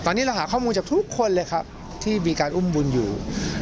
ตอนนี้เราหาข้อมูลจากทุกคนเลยครับที่มีการอุ้มบุญอยู่